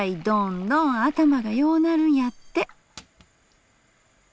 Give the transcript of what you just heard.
どんどん頭がようなるんやって』」。